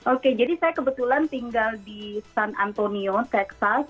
oke jadi saya kebetulan tinggal di san antonio texas